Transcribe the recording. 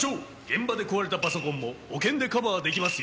現場で壊れたパソコンも保険でカバーできますよ！